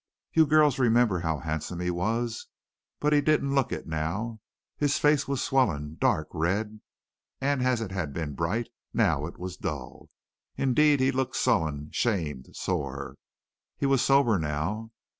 "You girls remember how handsome he was, but he didn't look it now. His face was swollen, dark, red, and as it had been bright, now it was dull. Indeed, he looked sullen, shamed, sore. He was sober now.